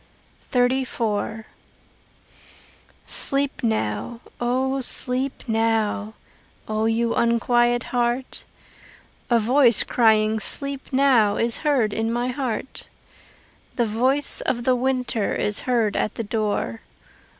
XXXIV Sleep now, O sleep now, O you unquiet heart! A voice crying "Sleep now" Is heard in my heart. The voice of the winter Is heard at the door.